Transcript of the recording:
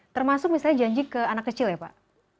termasuk misalnya janji ke anak kecil ya pak